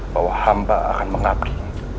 bahwa hamba akan mengabdi